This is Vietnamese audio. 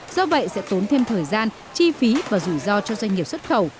do vậy sẽ tốn thêm thời gian chi phí và rủi ro cho doanh nghiệp xuất khẩu